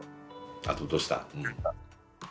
あとどうした？